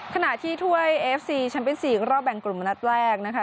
ขณะที่ถ้วยเอฟซีแชมป์เป็น๔รอบแบ่งกลุ่มมานัดแรกนะคะ